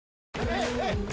はい！